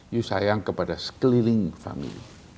you sayang kepada sekeliling kami